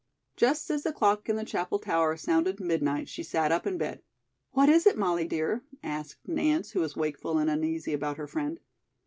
Just as the clock in the chapel tower sounded midnight she sat up in bed. "What is it, Molly, dear?" asked Nance, who was wakeful and uneasy about her friend.